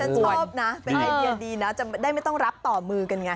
อันนี้ฉันชอบนะเป็นไงดีนะได้ไม่ต้องรับต่อมือกันไง